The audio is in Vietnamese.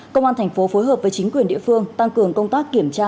công an thành phố phối hợp với chính quyền địa phương tăng cường công tác kiểm tra